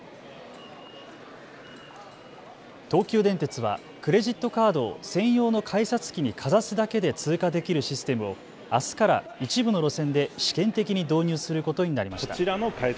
東急電鉄はクレジットカードを専用の改札機にかざすだけで通過できるシステムをあすから一部の路線で試験的に導入することになりました。